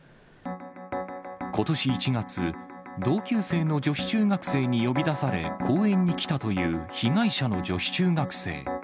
ことし１月、同級生の女子中学生に呼び出され、公園に来たという被害者の女子中学生。